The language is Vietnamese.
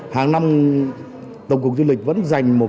hàng năm tổng cục du lịch vẫn dành một